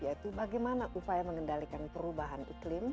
yaitu bagaimana upaya mengendalikan perubahan iklim